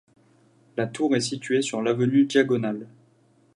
La tour est située sur l'avenue Diagonale.